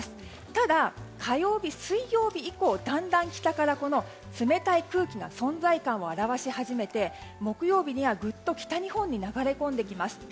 ただ、火曜日、水曜日以降だんだん北から冷たい空気が存在感を現し始めて木曜日にはグッと北日本に流れ込んできます。